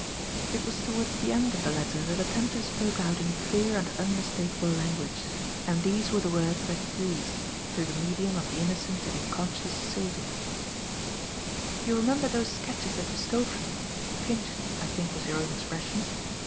It was towards the end of the letter that the tempter spoke out in clear and unmistakable language, and these were the words that he used, through the medium of the innocent and unconscious Sylvia: "You remember those sketches that you stole for me 'pinched,' I think was your own expression.